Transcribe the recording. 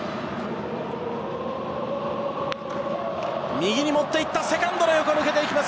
右に持っていったセカンドの横、抜けていきます